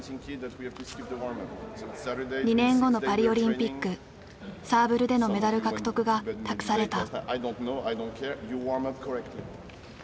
２年後のパリオリンピックサーブルでのメダル獲得が託された。